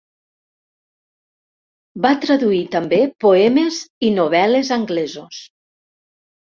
Va traduir també poemes i novel·les anglesos.